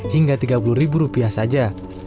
hingga tiga puluh ribu rupiah saja